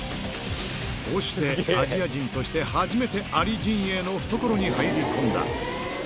こうしてアジア人として初めてアリ陣営の懐に入り込んだ。